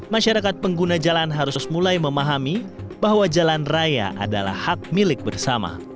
masyarakat pengguna jalan harus mulai memahami bahwa jalan raya adalah hak milik bersama